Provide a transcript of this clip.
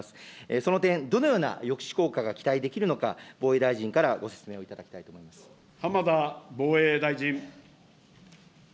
その点、どのような抑止効果が期待できるのか、防衛大臣からご説浜田防衛大臣。